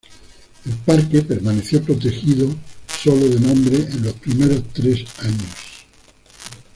El parque permaneció protegida sólo de nombre en los primeros tres años.